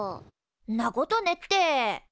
んなことねって。